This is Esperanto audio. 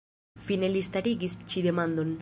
Fine li starigis ĉi demandon.